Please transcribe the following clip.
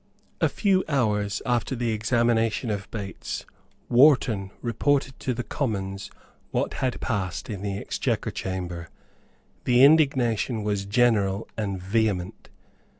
A few hours after the examination of Bates, Wharton reported to the Commons what had passed in the Exchequer Chamber. The indignation was general and vehement.